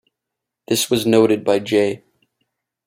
This was noted by J.